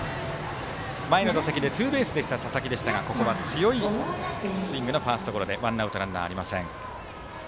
前の打席でツーベースでした佐々木でしたがここは強いスイングのファーストゴロでワンアウトランナー、ありません。